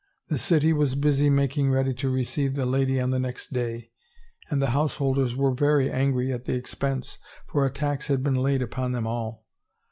The city was busy making ready to receive the lady on the next day, and the householders were very angry at the expense for a tax had been laid upon them all.